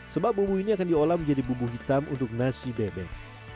sebab bumbu ini akan diolah menjadi bumbu hitam untuk nasi bebek